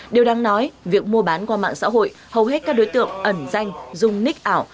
điều đáng nói việc mua bán qua mạng xã hội hầu hết các đối tượng ẩn danh dung ních ảo